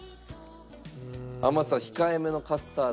甘さ控えめのカスタード。